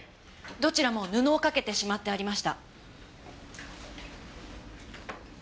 どちらも布をかけてしまってありました。